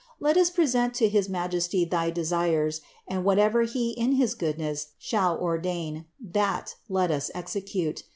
Let us present to his Majesty thy desires, and whatever He in his goodness shall or dain, that let us execute.